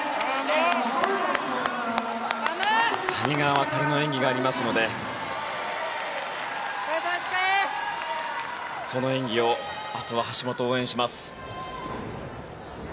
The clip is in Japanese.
谷川航の演技がありますのでその演技をあとは橋本、応援します。